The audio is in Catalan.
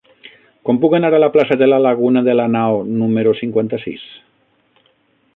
Com puc anar a la plaça de la Laguna de Lanao número cinquanta-sis?